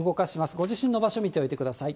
ご自身の場所、見ておいてください。